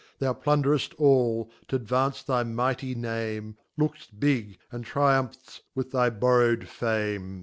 Thou plunder ft all, t'advance thy mighty Name j Look 'ft big, and triunipfrft "with thy borrow'd fame